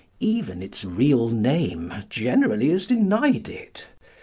Even its real name generally is denied it.